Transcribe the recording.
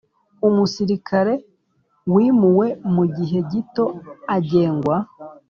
Umusirikare wimuwe mu gihe gito agengwa